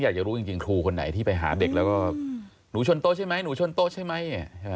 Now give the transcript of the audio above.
อยากจะรู้จริงครูคนไหนที่ไปหาเด็กแล้วก็หนูชนโต๊ะใช่ไหมหนูชนโต๊ะใช่ไหม